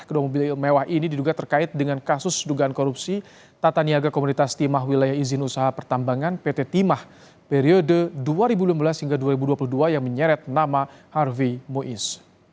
kedua mobil mewah ini diduga terkait dengan kasus dugaan korupsi tata niaga komunitas timah wilayah izin usaha pertambangan pt timah periode dua ribu lima belas hingga dua ribu dua puluh dua yang menyeret nama harvey muiz